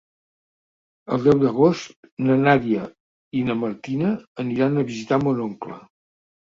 El deu d'agost na Nàdia i na Martina aniran a visitar mon oncle.